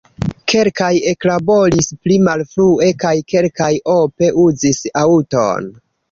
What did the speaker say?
Kelkaj eklaboris pli malfrue kaj kelkaj ope uzis aŭton.